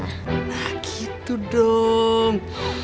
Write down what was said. nah gitu dong